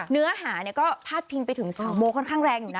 เนื้อหาเนี่ยก็พาดพิงไปถึงสาวโมค่อนข้างแรงอยู่นะ